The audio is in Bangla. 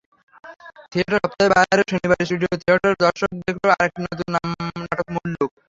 থিয়েটার সপ্তাহের বাইরে শনিবার স্টুডিও থিয়েটারে দর্শক দেখল আরেকটি নতুন নাটক মুল্লুক।